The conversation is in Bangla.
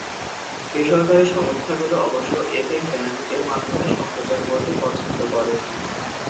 বেসরকারি সংস্থাগুলো অবশ্য এফএম ব্যান্ড এর মাধ্যমে সম্প্রচার করতে পছন্দ করে।